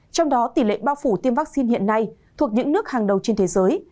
trong đó tỷ lệ bao phủ tiêm vaccine hiện nay thuộc những nước hàng đầu trên thế giới